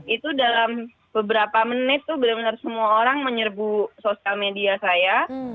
itu dalam beberapa menit tuh benar benar semua orang menyerbu sosial media saya